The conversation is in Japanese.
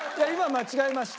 間違えました。